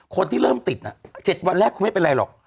คนที่เริ่มติด๗วันแรกคุณไม่เป็นไรหรอก